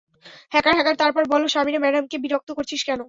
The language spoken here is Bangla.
হ্যাঁকার, হ্যাঁকার তারপর বল সামিরা ম্যাডাম কে বিরক্ত করছিস কেন?